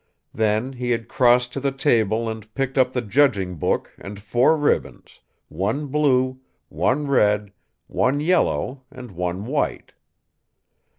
Then he had crossed to the table and picked up the judging book and four ribbons one blue, one red, one yellow and one white.